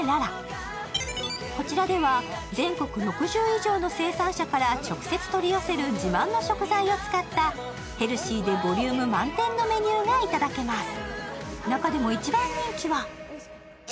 こちらでは全国６０以上の生産者から直接取り寄せる自慢の食材を使ったヘルシーでボリューム満点のメニューがいただけます。